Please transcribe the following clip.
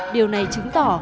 điều này chứng tỏ